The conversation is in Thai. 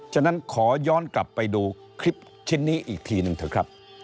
ฉะนั้นขอย้อนกลับไปดูคลิปชิ้นนี้อีกทีหนึ่งเถอะครับ